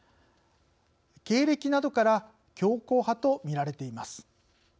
経歴などから「強硬派」と見られています。